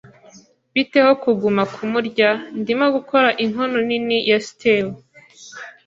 Bite ho kuguma kumurya? Ndimo gukora inkono nini ya stew.